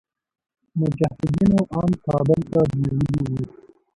مجاهدينو ان کابل ته بيولي وو.